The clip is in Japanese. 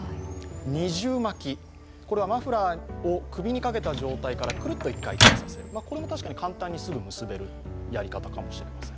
二重巻き、これはマフラーを首にかけた状態からくるっと１回転させる、これも確かに簡単にすぐ結べるやり方かもしれません。